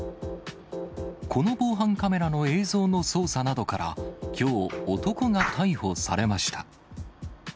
この防犯カメラの映像の捜査などから、きょう、男が逮捕されました。